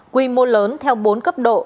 quy mô lớn theo bốn cấp độ